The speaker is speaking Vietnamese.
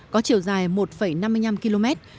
có chiều dài một năm km